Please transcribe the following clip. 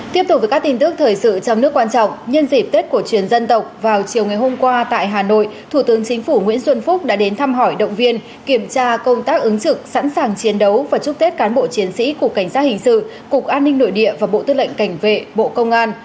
tiếp tục với các tin tức thời sự trong nước quan trọng nhân dịp tết cổ truyền dân tộc vào chiều ngày hôm qua tại hà nội thủ tướng chính phủ nguyễn xuân phúc đã đến thăm hỏi động viên kiểm tra công tác ứng trực sẵn sàng chiến đấu và chúc tết cán bộ chiến sĩ cục cảnh sát hình sự cục an ninh nội địa và bộ tư lệnh cảnh vệ bộ công an